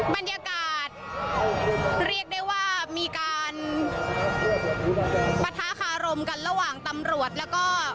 บรรยากาศเรียกได้ว่ามีการปะทะคารมกันระหว่างตำรวจแล้วก็